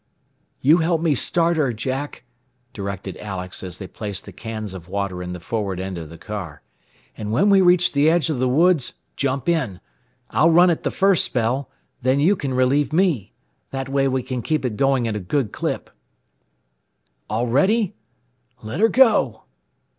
"You help me start her, Jack," directed Alex as they placed the cans of water in the forward end of the car, "and when we reach the edge of the woods, jump in. I'll run it the first spell, then you can relieve me. That way we can keep it going at a good clip. "All ready? Let her go!"